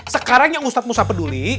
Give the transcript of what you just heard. sekarang yang ustadz musa peduli